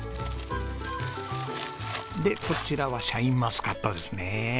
でこちらはシャインマスカットですね。